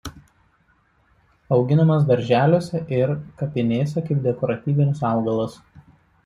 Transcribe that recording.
Auginamas darželiuose ir kapinėse kaip dekoratyvinis augalas.